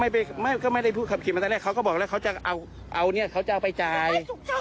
พี่เข้าใจอยู่เลย